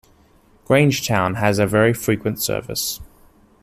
Grangetown has a very frequent service.